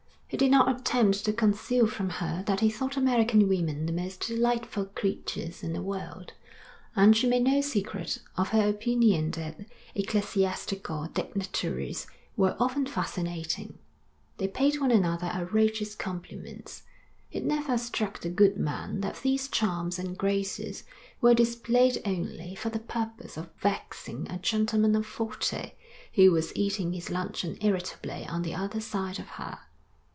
He did not attempt to conceal from her that he thought American women the most delightful creatures in the world, and she made no secret of her opinion that ecclesiastical dignitaries were often fascinating. They paid one another outrageous compliments. It never struck the good man that these charms and graces were displayed only for the purpose of vexing a gentleman of forty, who was eating his luncheon irritably on the other side of her.